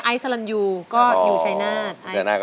ไซสาลันตร์อยู่ชายนาธิ์ก็อยู่ไซสาลันตร์